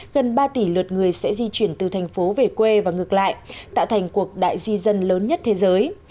gần ba tỷ lượt người sẽ di chuyển từ thành phố về quê và ngược lại tạo thành cuộc đại di dân lớn nhất thế giới